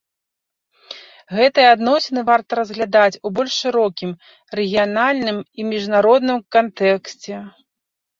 Гэтыя адносіны варта разглядаць у больш шырокім, рэгіянальным і міжнародным кантэксце.